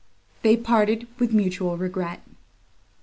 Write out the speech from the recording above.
They parted with mutual regret.